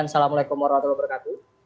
assalamualaikum warahmatullahi wabarakatuh